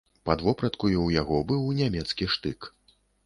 Пад вопраткаю ў яго быў нямецкі штык.